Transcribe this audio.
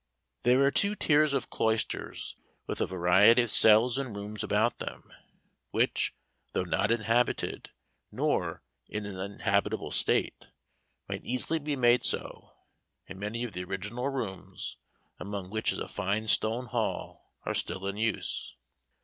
"There are two tiers of cloisters, with a variety of cells and rooms about them, which, though not inhabited, nor in an inhabitable state, might easily be made so; and many of the original rooms, among which is a fine stone hall, are still in use.